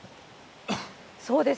そうです。